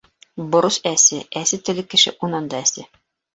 Борос әсе. әсе телле кеше унан да эсе.